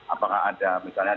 apakah ada misalnya